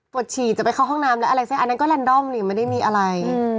ฉี่จะไปเข้าห้องน้ำแล้วอะไรเสร็จอันนั้นก็แลนดอมนี่ไม่ได้มีอะไร